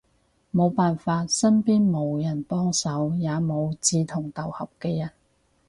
無辦法，身邊無人幫手，也無志同道合嘅人